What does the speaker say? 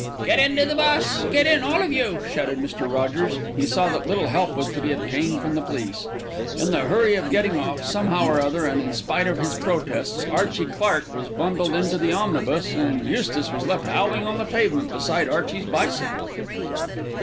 "Get into the bus, get in, all of you," shouted Mr. Rogers. He saw that little help was to be obtained from the police. In the hurry of getting off, somehow or other and in spite of his protests, Archie Clark was bundled into the omnibus and Eustace was left howling on the pavement beside Archie's bicycle.